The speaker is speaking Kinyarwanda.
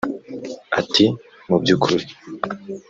Ati “Mu by’ukuri